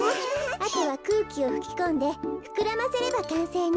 あとはくうきをふきこんでふくらませればかんせいね。